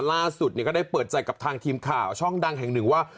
ล่าสุดก็ได้เปิดใจกับทางทีมข่าวช่องดังแห่งหนึ่งว่า